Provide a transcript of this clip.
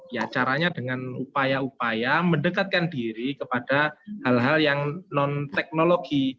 ya caranya dengan upaya upaya mendekatkan diri kepada hal hal yang non teknologi